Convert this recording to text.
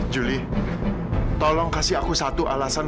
juli tolong kasih aku satu alasan